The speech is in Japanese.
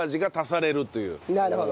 なるほど。